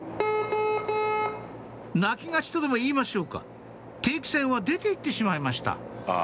泣き勝ちとでも言いましょうか定期船は出て行ってしまいましたああ。